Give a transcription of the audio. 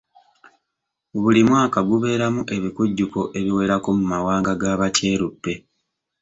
Buli mwaka gubeeramu ebikujjuko ebiwerako mu mawanga ga Bakyeruppe.